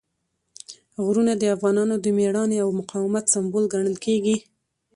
غرونه د افغانانو د مېړانې او مقاومت سمبول ګڼل کېږي.